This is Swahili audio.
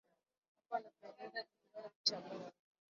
kama anavyoeleza bi joan chamungu